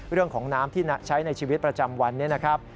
เรื่องของน้ำที่ใช้ในชีวิตประจำวันนี้นะครับ